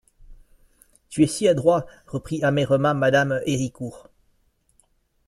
Tu es si adroit, reprit amèrement Mme Héricourt.